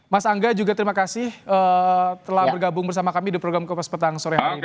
mas angga juga terima kasih telah bergabung bersama kami di program kopas petang sore hari ini